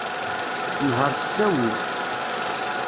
Nheṛ s ttawil.